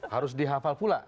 harus dihafal pula